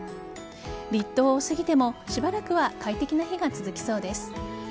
立冬を過ぎてもしばらくは快適な日が続きそうです。